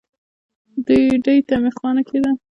ډوډۍ ته مې خوا نه کېده.